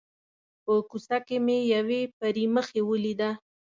په کوڅه کې مې یوې پري مخې ولیده.